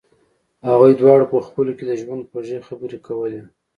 هغوی دواړو په خپلو کې د ژوند خوږې خبرې کولې